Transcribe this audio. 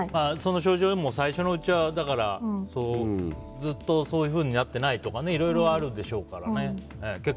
その症状、最初のうちはずっとそういうふうになってないとかいろいろあるでしょうからね。